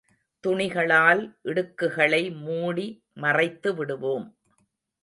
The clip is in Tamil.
துணிகளால் இடுக்குகளை மூடி மறைத்துவிடுவோம்.